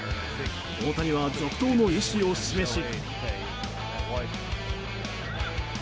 大谷は続投の意思を示し。